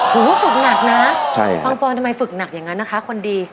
โหฝึกหนักนะใช่ครับน้องปรอนทำไมฝึกหนักอย่างนั้นนะคะคนดี